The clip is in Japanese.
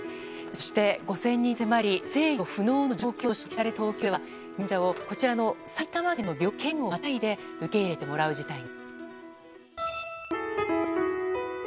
そして５０００人に迫り制御不能の状況と指摘された東京では、入院できない患者をこちらの埼玉県の病院に県をまたいで受け入れてもらう事態に。